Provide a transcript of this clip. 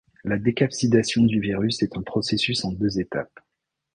La décapsidation du virus est un processus en deux étapes.